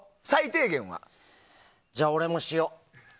じゃあ、俺もしよ。